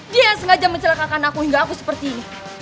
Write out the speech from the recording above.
dia yang sengaja menjelakakan aku hingga aku seperti ini